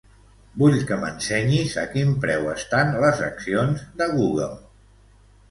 Vull que m'ensenyis a quin preu estan les accions de Google.